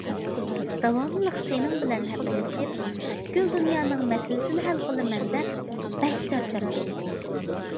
داۋاملىق سېنىڭ بىلەن ھەپىلىشىپ، پۈتكۈل دۇنيانىڭ مەسىلىسىنى ھەل قىلىمەن دەپ بەك چارچاپ كەتتىم.